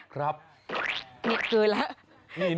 คือละ